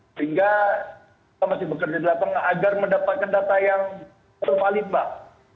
sehingga kita masih bekerja di lapangan agar mendapatkan data yang valid mbak